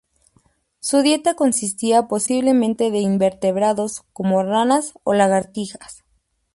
Su dieta consistía posiblemente de invertebrados, como ranas o lagartijas.